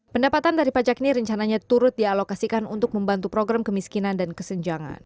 pendapatan dari pajak ini rencananya turut dialokasikan untuk membantu program kemiskinan dan kesenjangan